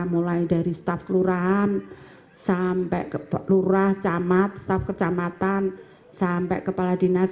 mulai dari staf kelurahan sampai lurah camat staf kecamatan sampai kepala dinas